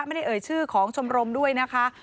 ไม่ได้เอ่ยชื่อของชมรมด้วยนะคะ